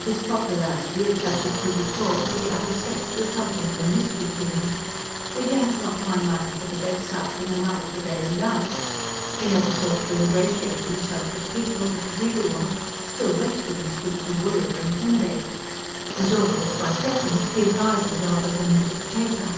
His popularity if such it could be called with the other sex was something of a mystery to him. For he had not one manner for the bedside and another for daily life. He never sought to ingratiate himself with people, or to wheedle them; still less would he stoop to bully or intimidate; was always by preference the adviser rather than the dictator.